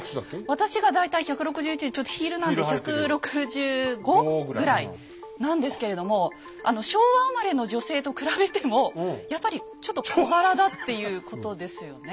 私が大体１６１でちょっとヒールなんで１６５？ぐらいなんですけれども昭和生まれの女性と比べてもやっぱりちょっと小柄だっていうことですよね。